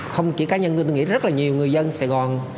không chỉ cá nhân tôi nghĩ rất là nhiều người dân sài gòn